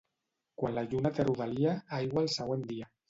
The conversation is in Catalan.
Quan la lluna té rodalia, aigua al següent dia.